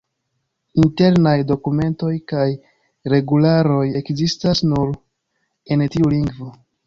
Internaj dokumentoj kaj regularoj ekzistas nur en tiu lingvo.